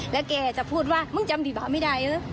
แล้วแกจะพูดว่ามึงจำดิบ่าวไม่ได้เหรอ